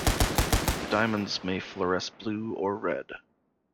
Diamonds may fluoresce blue or red.